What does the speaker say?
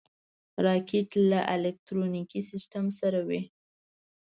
راکټ له الکترونیکي سیسټم سره وي